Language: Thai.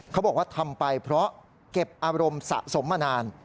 เขาบอกว่าทำไปเพราะเก็บอารมณ์สะสมมานาน